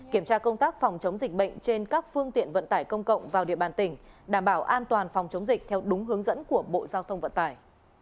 kiểm tra công tác phòng chống dịch bệnh trên các phương tiện vận tải công cộng vào địa bàn tỉnh đảm bảo an toàn phòng chống dịch theo đúng hướng dẫn của bộ giao thông vận tải